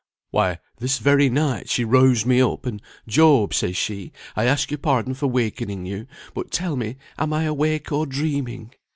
Why, this very night she roused me up, and 'Job,' says she, 'I ask your pardon for wakening you, but tell me, am I awake or dreaming?